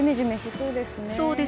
そうですよね。